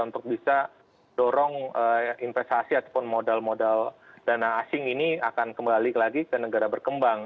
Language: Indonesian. untuk bisa dorong investasi ataupun modal modal dana asing ini akan kembali lagi ke negara berkembang